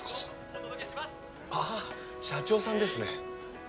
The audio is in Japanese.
ああ社長さんですね。